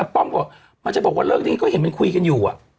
ป้อมบอกมันจะบอกว่าเลิกดีก็เห็นมันคุยกันอยู่